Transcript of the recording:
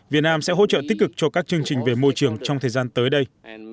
việt nam sẽ hỗ trợ tích cực cho các chương trình về môi trường trong thời gian tới đây